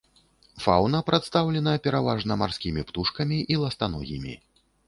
Фаўна прадстаўлена пераважна марскімі птушкамі і ластаногімі.